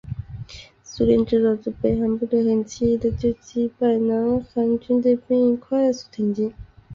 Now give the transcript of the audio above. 苏联指导的北韩部队很轻易的就击败南韩军队并快速挺进。